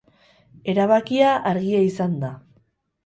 Erabakia argia izan da.